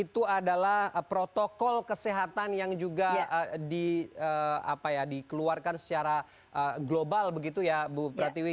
itu adalah protokol kesehatan yang juga dikeluarkan secara global begitu ya bu pratiwi